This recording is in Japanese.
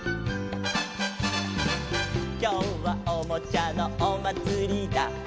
「きょうはおもちゃのおまつりだ」